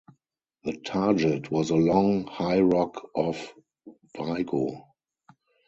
The target was a long, high rock off Vigo.